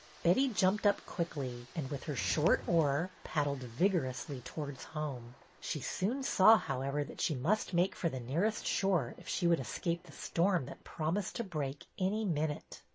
Betty jumped up quickly and, with her short oar, paddled vigorously towards home. She soon saw, however, that she must make for the nearest shore if she would escape the storm that promised to break any minute.